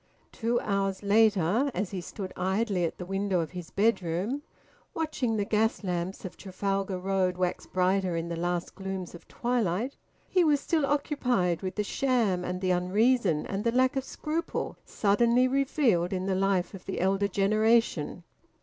Two hours later, as he stood idly at the window of his bedroom, watching the gas lamps of Trafalgar Road wax brighter in the last glooms of twilight, he was still occupied with the sham and the unreason and the lack of scruple suddenly revealed in the life of the elder generation.